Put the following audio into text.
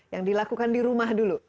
yang dilakukan di rumah dulu